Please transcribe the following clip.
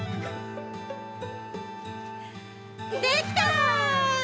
できた！